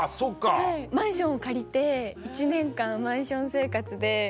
はいマンションを借りて１年間マンション生活で。